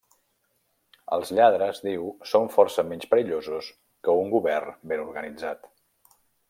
Els lladres, diu, són força menys perillosos que un Govern ben organitzat.